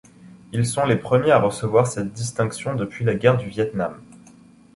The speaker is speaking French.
Ils sont les premiers à recevoir cette distinction depuis la guerre du Viêtnam.